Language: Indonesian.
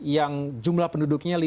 yang jumlah penduduknya